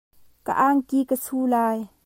Ka angki ka su lai.